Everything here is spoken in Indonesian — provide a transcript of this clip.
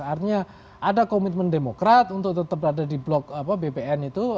artinya ada komitmen demokrat untuk tetap berada di blok bpn itu